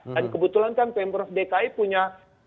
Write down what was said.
dan kebetulan kan pemerintah dki punya